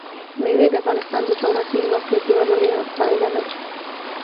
مېوې د افغانستان د جغرافیایي موقیعت یوه لویه پایله ده.